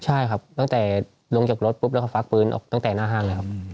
ใช่ครับตั้งแต่ลงจากรถปุ๊บแล้วเขาฟักปืนออกตั้งแต่หน้าห้างเลยครับ